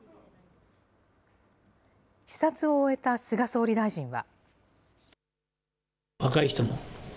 視察を終えた菅総理大臣は。